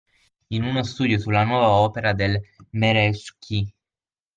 In uno studio su la nuova opera del Merezkowski.